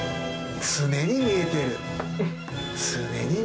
常に見えてる。